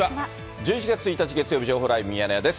１１月１日月曜日、情報ライブミヤネ屋です。